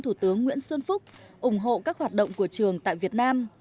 thủ tướng nguyễn xuân phúc ủng hộ các hoạt động của trường tại việt nam